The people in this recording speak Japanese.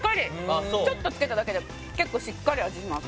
ちょっとつけただけで結構しっかり味します